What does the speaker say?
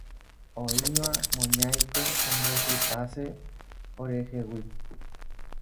Oĩva moñáiko ombohypase orehegui.